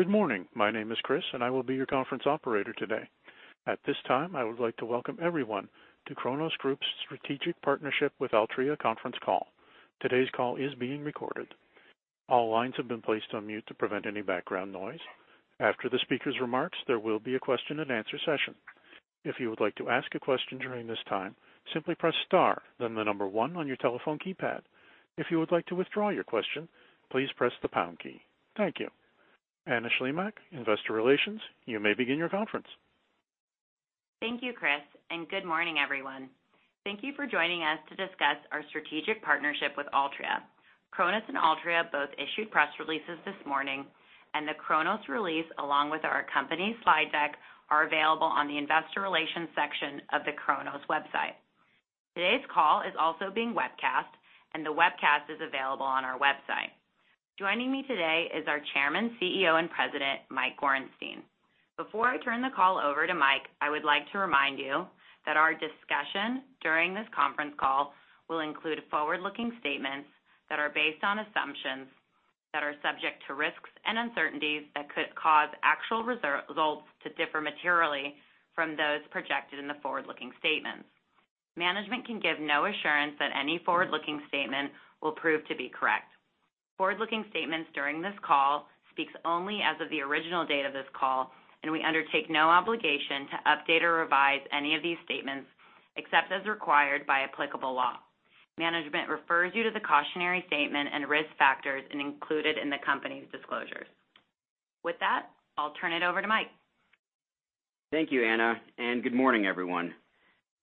Good morning. My name is Chris, and I will be your conference operator today. At this time, I would like to welcome everyone to Cronos Group's strategic partnership with Altria conference call. Today's call is being recorded. All lines have been placed on mute to prevent any background noise. After the speaker's remarks, there will be a question and answer session. If you would like to ask a question during this time, simply press star, then the number one on your telephone keypad. If you would like to withdraw your question, please press the pound key. Thank you. Anna Shlimak, Investor Relations, you may begin your conference. Thank you, Chris. Good morning, everyone. Thank you for joining us to discuss our strategic partnership with Altria. Cronos and Altria both issued press releases this morning. The Cronos release, along with our company slide deck, are available on the Investor Relations section of the Cronos website. Today's call is also being webcast. The webcast is available on our website. Joining me today is our Chairman, CEO, and President, Mike Gorenstein. Before I turn the call over to Mike, I would like to remind you that our discussion during this conference call will include forward-looking statements that are based on assumptions that are subject to risks and uncertainties that could cause actual results to differ materially from those projected in the forward-looking statements. Management can give no assurance that any forward-looking statement will prove to be correct. Forward-looking statements during this call speaks only as of the original date of this call. We undertake no obligation to update or revise any of these statements, except as required by applicable law. Management refers you to the cautionary statement and risk factors included in the company's disclosures. With that, I'll turn it over to Mike. Thank you, Anna. Good morning, everyone.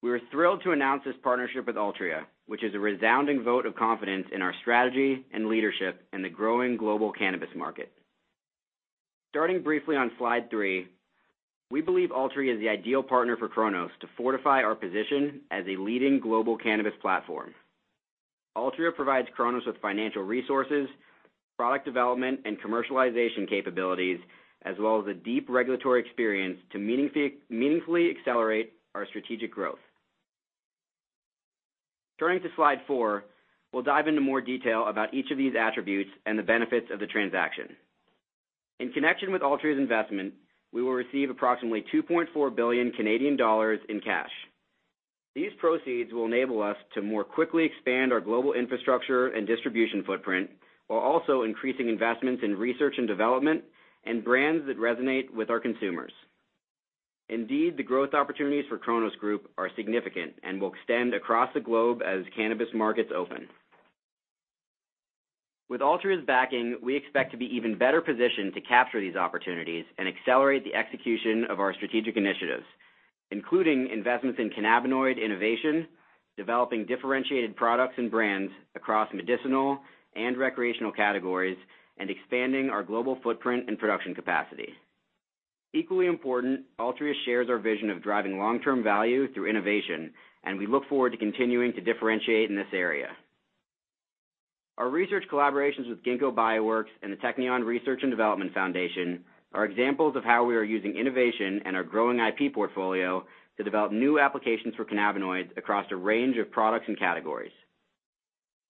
We are thrilled to announce this partnership with Altria, which is a resounding vote of confidence in our strategy and leadership in the growing global cannabis market. Starting briefly on slide three, we believe Altria is the ideal partner for Cronos to fortify our position as a leading global cannabis platform. Altria provides Cronos with financial resources, product development, and commercialization capabilities, as well as a deep regulatory experience to meaningfully accelerate our strategic growth. Turning to slide four, we'll dive into more detail about each of these attributes and the benefits of the transaction. In connection with Altria's investment, we will receive approximately 2.4 billion Canadian dollars in cash. These proceeds will enable us to more quickly expand our global infrastructure and distribution footprint, while also increasing investments in research and development and brands that resonate with our consumers. Indeed, the growth opportunities for Cronos Group are significant and will extend across the globe as cannabis markets open. With Altria's backing, we expect to be even better positioned to capture these opportunities and accelerate the execution of our strategic initiatives, including investments in cannabinoid innovation, developing differentiated products and brands across medicinal and recreational categories, and expanding our global footprint and production capacity. Equally important, Altria shares our vision of driving long-term value through innovation, and we look forward to continuing to differentiate in this area. Our research collaborations with Ginkgo Bioworks and the Technion Research & Development Foundation are examples of how we are using innovation and our growing IP portfolio to develop new applications for cannabinoids across a range of products and categories.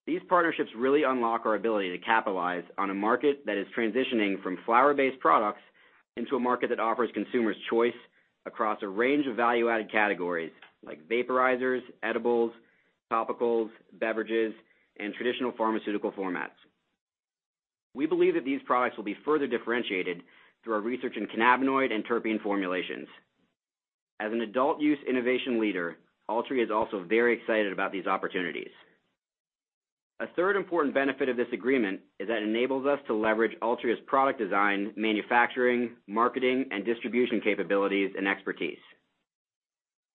These partnerships really unlock our ability to capitalize on a market that is transitioning from flower-based products into a market that offers consumers choice across a range of value-added categories like vaporizers, edibles, topicals, beverages, and traditional pharmaceutical formats. We believe that these products will be further differentiated through our research in cannabinoid and terpene formulations. As an adult use innovation leader, Altria is also very excited about these opportunities. A third important benefit of this agreement is that it enables us to leverage Altria's product design, manufacturing, marketing, and distribution capabilities and expertise.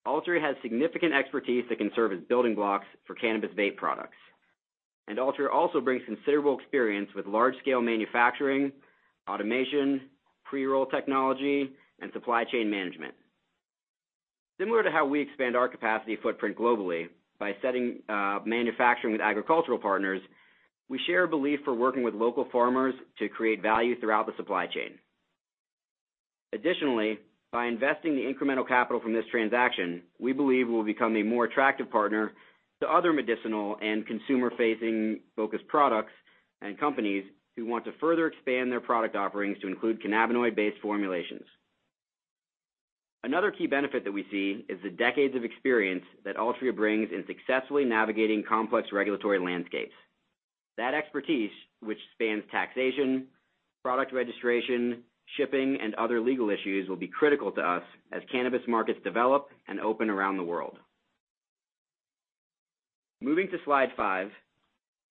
Altria has significant expertise that can serve as building blocks for cannabis vape products. Altria also brings considerable experience with large-scale manufacturing, automation, pre-roll technology, and supply chain management. Similar to how we expand our capacity footprint globally by setting up manufacturing with agricultural partners. We share a belief for working with local farmers to create value throughout the supply chain. Additionally, by investing the incremental capital from this transaction, we believe we'll become a more attractive partner to other medicinal and consumer-facing focused products and companies who want to further expand their product offerings to include cannabinoid-based formulations. Another key benefit that we see is the decades of experience that Altria brings in successfully navigating complex regulatory landscapes. That expertise, which spans taxation, product registration, shipping, and other legal issues, will be critical to us as cannabis markets develop and open around the world. Moving to slide five,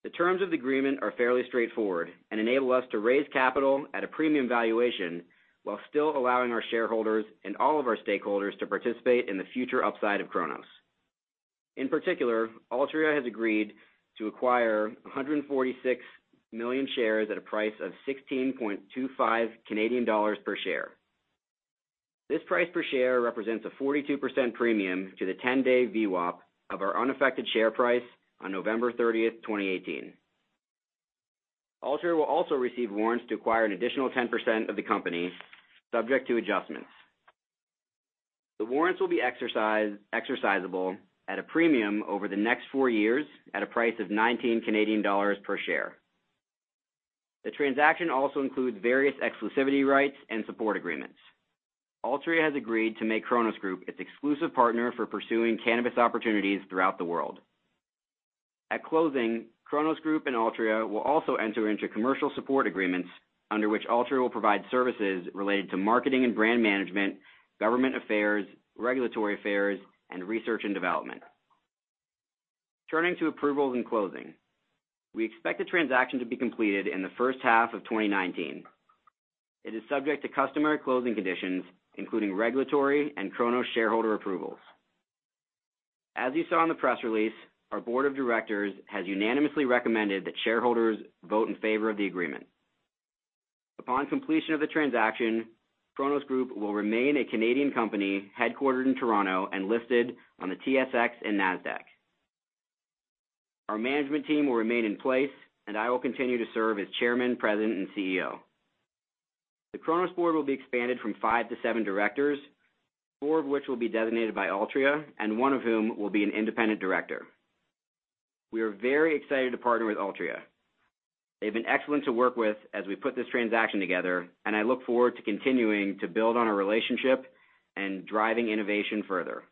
the terms of the agreement are fairly straightforward and enable us to raise capital at a premium valuation while still allowing our shareholders and all of our stakeholders to participate in the future upside of Cronos. In particular, Altria has agreed to acquire 146 million shares at a price of 16.25 Canadian dollars/share. This price per share represents a 42% premium to the 10-day VWAP of our unaffected share price on November 30th, 2018. Altria will also receive warrants to acquire an additional 10% of the company, subject to adjustments. The warrants will be exercisable at a premium over the next four years at a price of 19 Canadian dollars/share. The transaction also includes various exclusivity rights and support agreements. Altria has agreed to make Cronos Group its exclusive partner for pursuing cannabis opportunities throughout the world. At closing, Cronos Group and Altria will also enter into commercial support agreements under which Altria will provide services related to marketing and brand management, government affairs, regulatory affairs, and research and development. Turning to approvals and closing, we expect the transaction to be completed in the first half of 2019. It is subject to customary closing conditions, including regulatory and Cronos shareholder approvals. As you saw in the press release, our Board of Directors has unanimously recommended that shareholders vote in favor of the agreement. Upon completion of the transaction, Cronos Group will remain a Canadian company headquartered in Toronto and listed on the TSX and Nasdaq. Our management team will remain in place, and I will continue to serve as Chairman, President, and CEO. The Cronos Board will be expanded from five to seven Directors. One of whom will be an Independent Director. Four of which will be designated by Altria. We are very excited to partner with Altria. They've been excellent to work with as we put this transaction together. I look forward to continuing to build on our relationship and driving innovation further.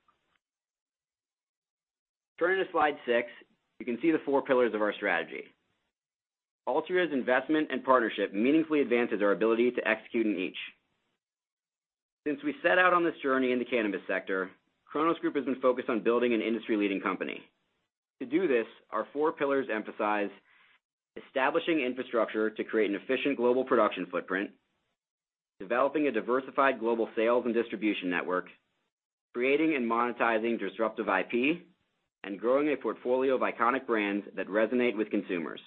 Turning to slide six, you can see the four pillars of our strategy. Altria's investment and partnership meaningfully advances our ability to execute in each. Since we set out on this journey in the cannabis sector, Cronos Group has been focused on building an industry-leading company. To do this, our four pillars emphasize establishing infrastructure to create an efficient global production footprint, developing a diversified global sales and distribution network, creating and monetizing disruptive IP, and growing a portfolio of iconic brands that resonate with consumers.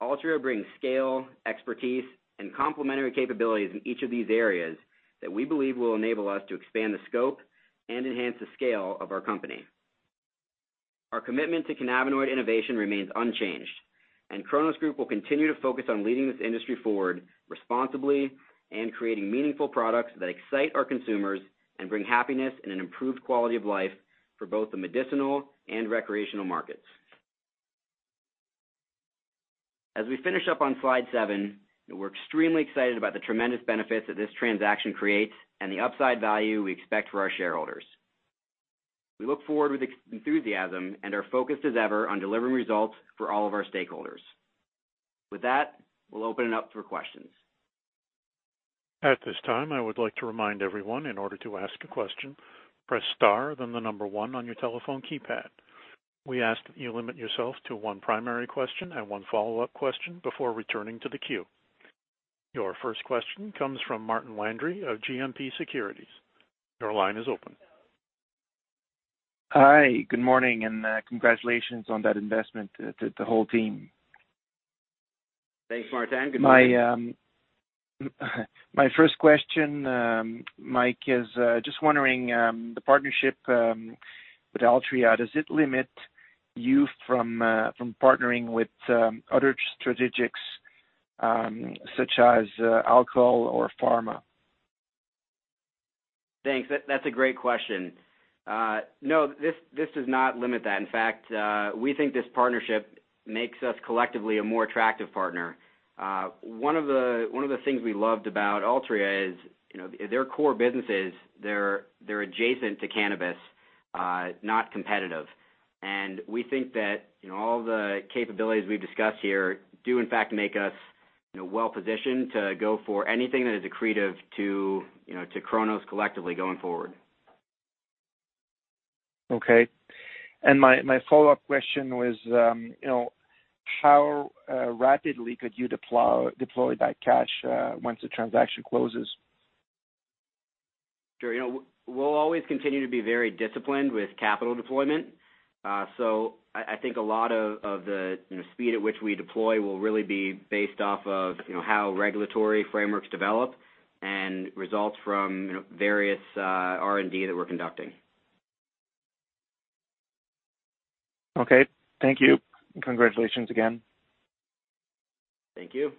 Altria brings scale, expertise, and complementary capabilities in each of these areas that we believe will enable us to expand the scope and enhance the scale of our company. Our commitment to cannabinoid innovation remains unchanged. Cronos Group will continue to focus on leading this industry forward responsibly and creating meaningful products that excite our consumers and bring happiness and an improved quality of life for both the medicinal and recreational markets. As we finish up on slide seven, we're extremely excited about the tremendous benefits that this transaction creates. The upside value we expect for our shareholders. We look forward with enthusiasm and are focused as ever on delivering results for all of our stakeholders. With that, we'll open it up for questions. At this time, I would like to remind everyone, in order to ask a question, press star, then the number one on your telephone keypad. We ask that you limit yourself to one primary question and one follow-up question before returning to the queue. Your first question comes from Martin Landry of GMP Securities. Your line is open. Hi. Good morning, and congratulations on that investment to the whole team. Thanks, Martin. Good morning. My first question, Mike, is just wondering, the partnership with Altria, does it limit you from partnering with other strategics, such as alcohol or pharma? Thanks. That's a great question. No, this does not limit that. In fact, we think this partnership makes us collectively a more attractive partner. One of the things we loved about Altria is their core businesses, they're adjacent to cannabis, not competitive. We think that all the capabilities we've discussed here do in fact, make us well-positioned to go for anything that is accretive to Cronos collectively going forward. Okay. my follow-up question was, how rapidly could you deploy that cash once the transaction closes? Sure. We'll always continue to be very disciplined with capital deployment. I think a lot of the speed at which we deploy will really be based off of how regulatory frameworks develop and results from various R&D that we're conducting. Okay. Thank you. Congratulations again. Thank you.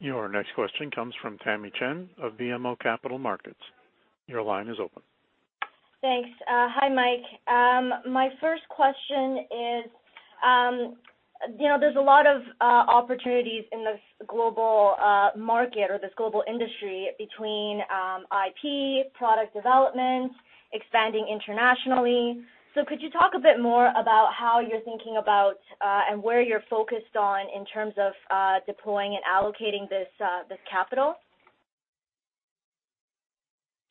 Your next question comes from Tamy Chen of BMO Capital Markets. Your line is open. Thanks. Hi, Mike. My first question is, there's a lot of opportunities in this global market or this global industry between IP, product development, expanding internationally. Could you talk a bit more about how you're thinking about and where you're focused on in terms of deploying and allocating this capital?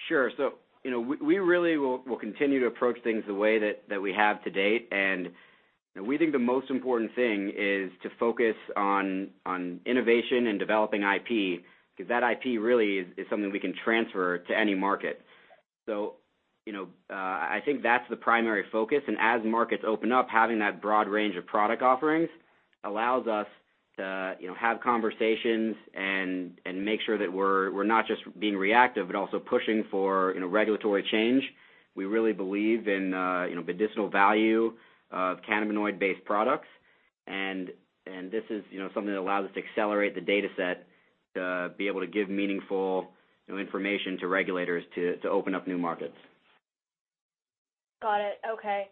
Sure. We really will continue to approach things the way that we have to date. We think the most important thing is to focus on innovation and developing IP, because that IP really is something we can transfer to any market. I think that's the primary focus. As markets open up, having that broad range of product offerings allows us to have conversations and make sure that we're not just being reactive, but also pushing for regulatory change. We really believe in the medicinal value of cannabinoid-based products. And this is something that allows us to accelerate the data set to be able to give meaningful information to regulators to open up new markets. Got it. Okay.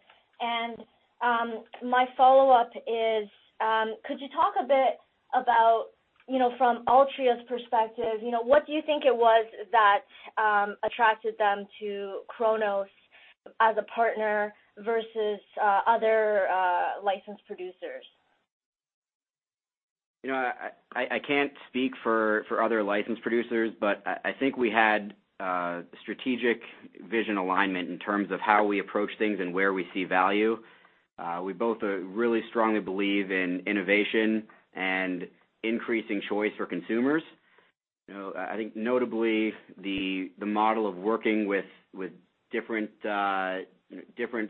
My follow-up is, could you talk a bit about, from Altria's perspective, what do you think it was that attracted them to Cronos as a partner versus other licensed producers? I can't speak for other licensed producers, I think we had strategic vision alignment in terms of how we approach things and where we see value. We both really strongly believe in innovation and increasing choice for consumers. I think notably the model of working with different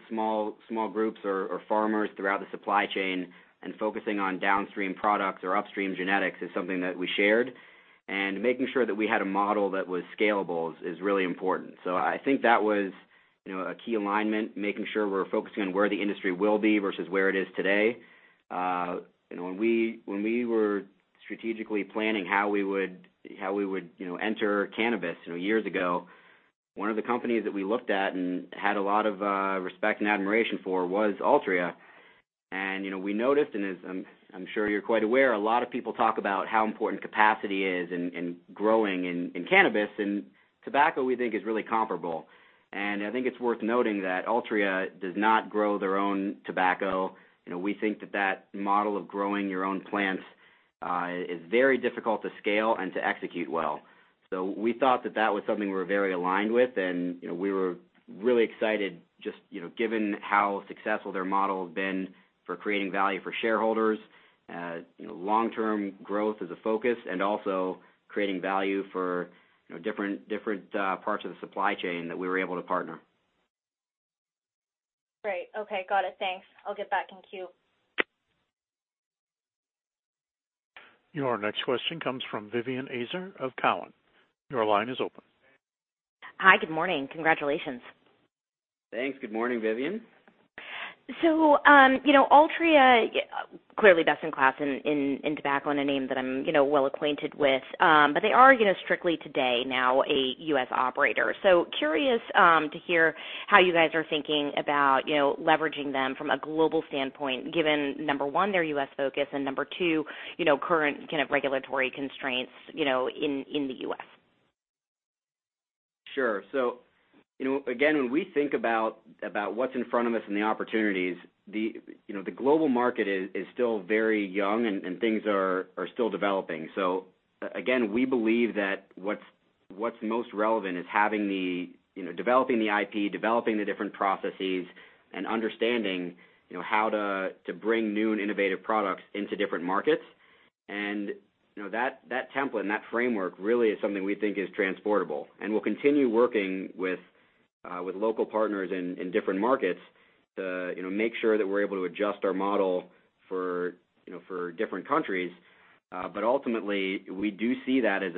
small groups or farmers throughout the supply chain and focusing on downstream products or upstream genetics is something that we shared. Making sure that we had a model that was scalable is really important. I think that was a key alignment, making sure we're focusing on where the industry will be versus where it is today. When we were strategically planning how we would enter cannabis years ago, one of the companies that we looked at and had a lot of respect and admiration for was Altria. We noticed, as I'm sure you're quite aware, a lot of people talk about how important capacity is in growing in cannabis, tobacco, we think, is really comparable. I think it's worth noting that Altria does not grow their own tobacco. We think that that model of growing your own plants, is very difficult to scale and to execute well. We thought that that was something we were very aligned with, and we were really excited just given how successful their model has been for creating value for shareholders. Long-term growth is a focus and also creating value for different parts of the supply chain that we were able to partner. Great. Okay. Got it. Thanks. I'll get back in queue. Your next question comes from Vivien Azer of Cowen. Your line is open. Hi, good morning. Congratulations. Thanks. Good morning, Vivien. Altria, clearly best in class in tobacco and a name that I'm well acquainted with. They are strictly today now a U.S. operator. Curious to hear how you guys are thinking about leveraging them from a global standpoint, given, number one, their U.S. focus, and number two, current kind of regulatory constraints in the U.S.? Sure. Again, when we think about what's in front of us and the opportunities, the global market is still very young, and things are still developing. Again, we believe that what's most relevant is developing the IP, developing the different processes, and understanding how to bring new and innovative products into different markets. That template and that framework really is something we think is transportable. We'll continue working with local partners in different markets to make sure that we're able to adjust our model for different countries. Ultimately, we do see that as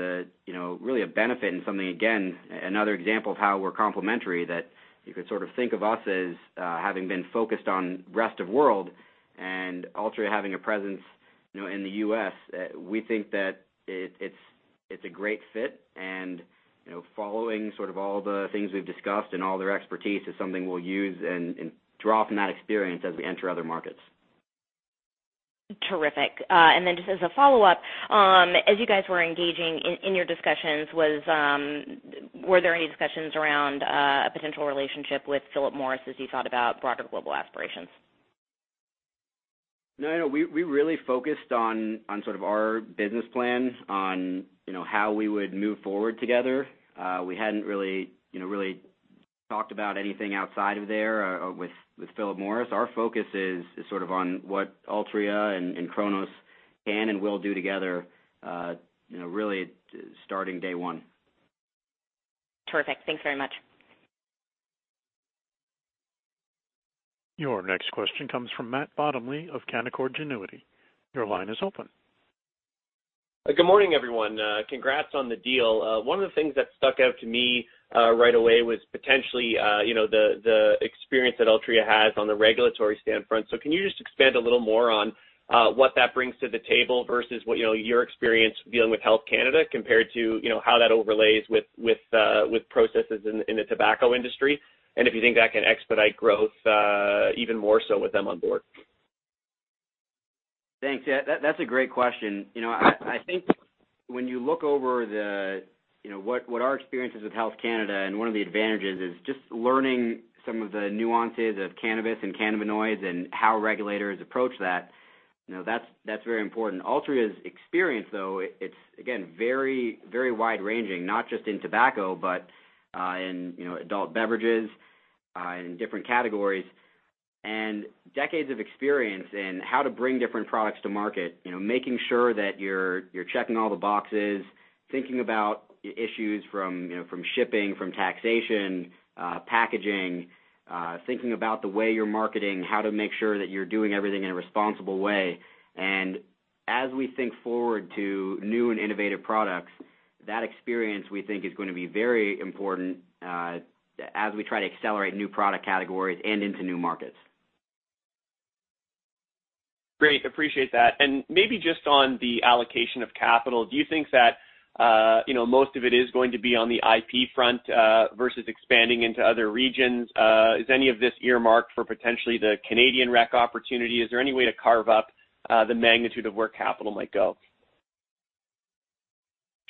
really a benefit and something, again, another example of how we're complementary, that you could sort of think of us as having been focused on rest of world and Altria having a presence in the U.S. We think that it's a great fit and following sort of all the things we've discussed and all their expertise is something we'll use and draw from that experience as we enter other markets. Terrific. Just as a follow-up, as you guys were engaging in your discussions, were there any discussions around a potential relationship with Philip Morris as you thought about broader global aspirations? No, we really focused on sort of our business plan on how we would move forward together. We hadn't really talked about anything outside of there with Philip Morris. Our focus is sort of on what Altria and Cronos can and will do together really starting day one. Terrific. Thanks very much. Your next question comes from Matt Bottomley of Canaccord Genuity. Your line is open. Good morning, everyone. Congrats on the deal. One of the things that stuck out to me right away was potentially the experience that Altria has on the regulatory standpoint. Can you just expand a little more on what that brings to the table versus your experience dealing with Health Canada compared to how that overlays with processes in the tobacco industry? If you think that can expedite growth, even more so with them on board? Thanks. That's a great question. I think when you look over what our experience is with Health Canada and one of the advantages is just learning some of the nuances of cannabis and cannabinoids and how regulators approach that. That's very important. Altria's experience, though, it's again, very wide-ranging, not just in tobacco, but in adult beverages, in different categories. Decades of experience in how to bring different products to market, making sure that you're checking all the boxes, thinking about issues from shipping, from taxation, packaging, thinking about the way you're marketing, how to make sure that you're doing everything in a responsible way. As we think forward to new and innovative products. That experience, we think, is going to be very important as we try to accelerate new product categories and into new markets. Great. Appreciate that. Maybe just on the allocation of capital, do you think that most of it is going to be on the IP front versus expanding into other regions? Is any of this earmarked for potentially the Canadian rec opportunity? Is there any way to carve up the magnitude of where capital might go?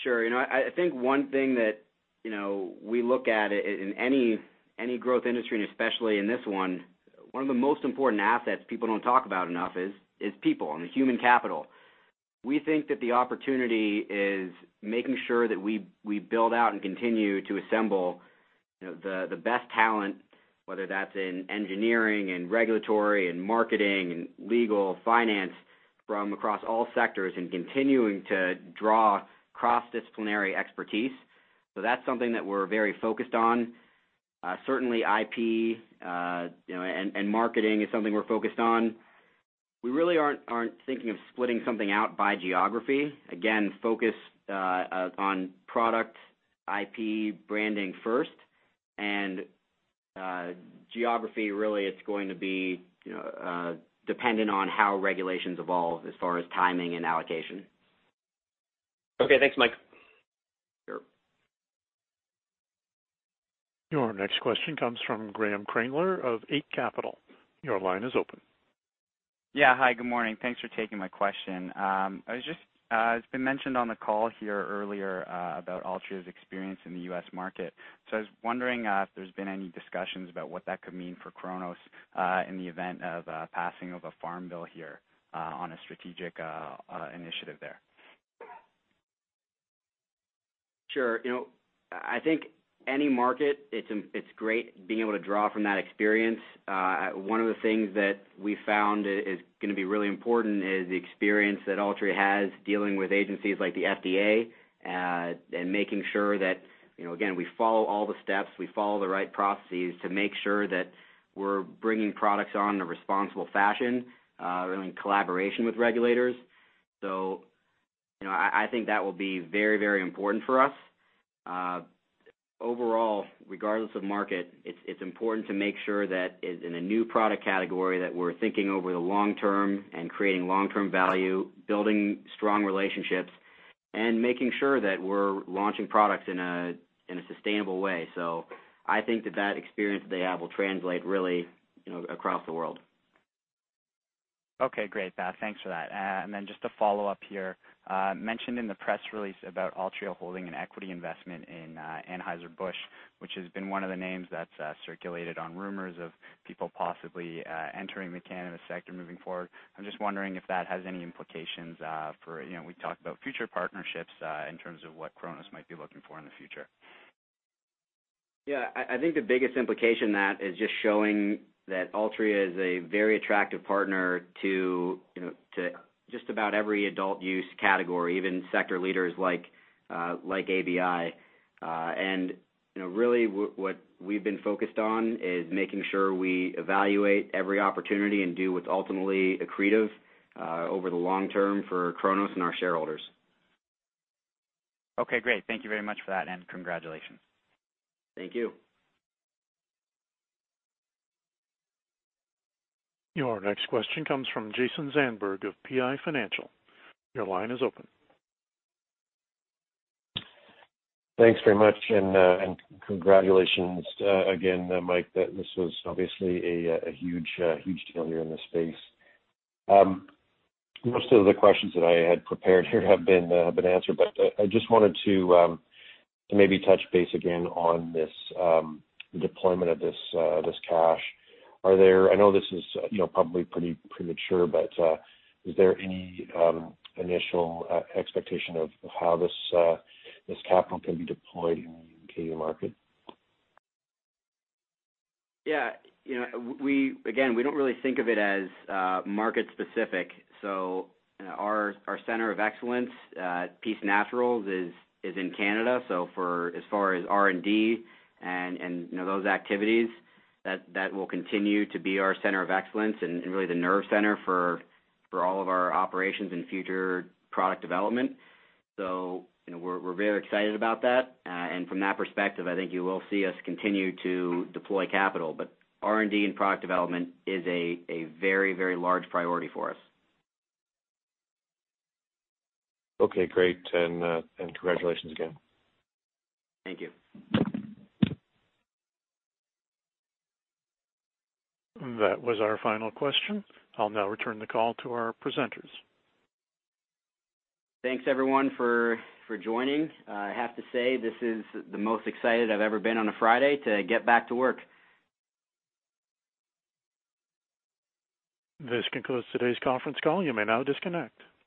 Sure. I think one thing that we look at in any growth industry and especially in this one of the most important assets people don't talk about enough is people. I mean, human capital. We think that the opportunity is making sure that we build out and continue to assemble the best talent, whether that's in engineering, in regulatory, in marketing, in legal, finance, from across all sectors, and continuing to draw cross-disciplinary expertise. That's something that we're very focused on. Certainly IP and marketing is something we're focused on. We really aren't thinking of splitting something out by geography. Again, focused on product, IP, branding first, and geography really is going to be dependent on how regulations evolve as far as timing and allocation. Okay, thanks, Mike. Sure. Your next question comes from Graham Kraemler of Eight Capital. Your line is open. Yeah. Hi, good morning. Thanks for taking my question. It's been mentioned on the call here earlier about Altria's experience in the U.S. market. I was wondering if there's been any discussions about what that could mean for Cronos in the event of a passing of a Farm Bill here on a strategic initiative there? Sure. I think any market, it's great being able to draw from that experience. One of the things that we found is going to be really important is the experience that Altria has dealing with agencies like the FDA, and making sure that, again, we follow all the steps, we follow the right processes to make sure that we're bringing products on in a responsible fashion, really in collaboration with regulators. I think that will be very important for us. Overall, regardless of market, it's important to make sure that in a new product category, that we're thinking over the long term and creating long-term value, building strong relationships, and making sure that we're launching products in a sustainable way. I think that experience they have will translate really across the world. Okay, great. Thanks for that. Just to follow up here, mentioned in the press release about Altria holding an equity investment in Anheuser-Busch, which has been one of the names that's circulated on rumors of people possibly entering the cannabis sector moving forward. I'm just wondering if that has any implications for, we talked about future partnerships, in terms of what Cronos might be looking for in the future? Yeah, I think the biggest implication that is just showing that Altria is a very attractive partner to just about every adult use category, even sector leaders like ABI. Really what we've been focused on is making sure we evaluate every opportunity and do what's ultimately accretive over the long term for Cronos and our shareholders. Okay, great. Thank you very much for that, and congratulations. Thank you. Your next question comes from Jason Zandberg of PI Financial. Your line is open. Thanks very much, and congratulations again, Mike. This was obviously a huge deal here in this space. Most of the questions that I had prepared here have been answered, but I just wanted to maybe touch base again on this deployment of this cash. I know this is probably premature, but is there any initial expectation of how this capital can be deployed in the Canadian market? Yeah. Again, we don't really think of it as market specific. Our center of excellence, Peace Naturals, is in Canada. For as far as R&D and those activities, that will continue to be our center of excellence and really the nerve center for all of our operations and future product development. We're very excited about that. From that perspective, I think you will see us continue to deploy capital. R&D and product development is a very large priority for us. Okay, great. Congratulations again. Thank you. That was our final question. I'll now return the call to our presenters. Thanks everyone for joining. I have to say, this is the most excited I've ever been on a Friday to get back to work. This concludes today's conference call. You may now disconnect.